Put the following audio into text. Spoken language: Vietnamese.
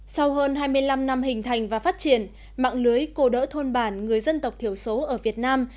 sau hơn hai mươi năm năm hình thành và phát triển mạng lưới cô đỡ thôn bản người dân tộc thiểu số ở việt nam